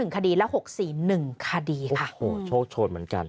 คดีละ๖๔๑คดีค่ะโอ้โหโชคโชนเหมือนกัน